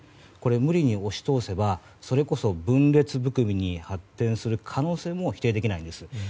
無理に押し通せばそれこそ分裂部分に発展する可能性も否定できないんです。